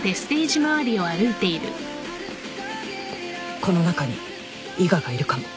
この中に伊賀がいるかも